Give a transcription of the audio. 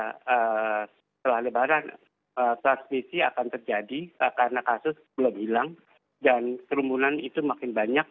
setelah lebaran transmisi akan terjadi karena kasus belum hilang dan kerumunan itu makin banyak